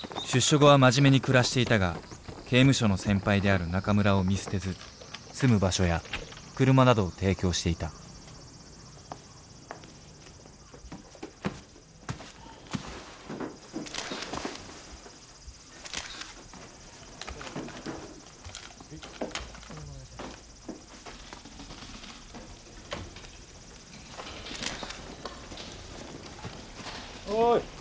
出所後は真面目に暮らしていたが刑務所の先輩である中村を見捨てず住む場所や車などを提供していたおい。